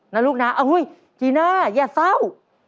น้องจีน่าอย่าเศร้า